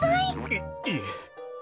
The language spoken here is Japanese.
いいえ。